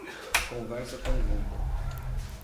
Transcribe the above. Conversa conjunta